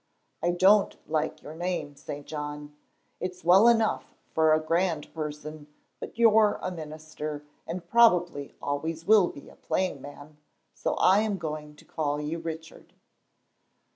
"I don't like your name, St. John; it's well enough for a grand person, but you're a minister, and probably always will be a plain man, so I am going to call you Richard."